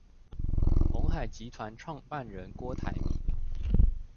鴻海集團創辦人郭台銘